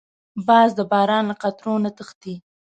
باز د باران له قطرو نه تښتي